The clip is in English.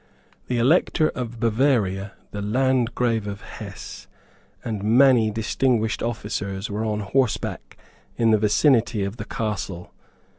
The Elector of Bavaria, the Landgrave of Hesse, and many distinguished officers were on horseback in the vicinity of the castle.